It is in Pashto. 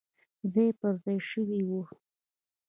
ځای پر ځای شوي وو.